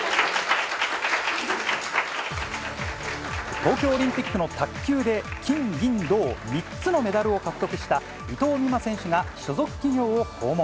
東京オリンピックの卓球で、金銀銅３つのメダルを獲得した伊藤美誠選手が所属企業を訪問。